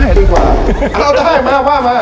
ดีกว่าเอาได้มา